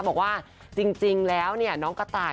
บอกว่าจริงแล้วน้องกระต่าย